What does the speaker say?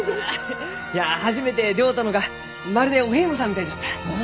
いや初めて出会うたのがまるでお遍路さんみたいじゃった。